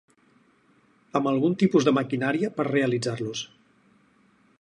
Amb algun tipus de maquinària per realitzar-los.